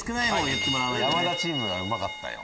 山田チームがうまかったよ。